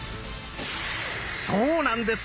そうなんです！